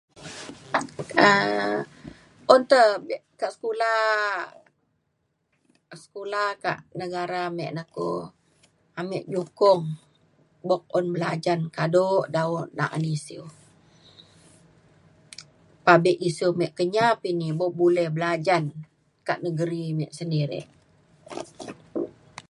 um un ta be kak sekula sekula kak negara me na ku ame nyukong buk un belajan kado dau na’an isiu. Pabe isiu me Kenyah pa ini buk boleh belajan kak negeri me sendiri.